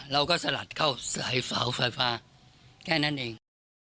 เราก็สลัดเข้าสายเฝาฟ้าแค่นั้นเอง